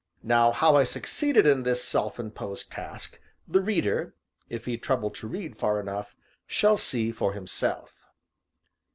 Now, how I succeeded in this self imposed task, the reader (if he trouble to read far enough) shall see for himself.